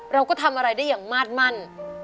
เราก็ทำอะไรได้อย่างมาดมั่น